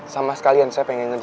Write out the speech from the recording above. sama sekalian saya pengen ngejar